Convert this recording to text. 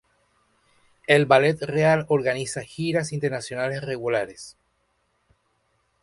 El Ballet Real organiza giras internacionales regulares.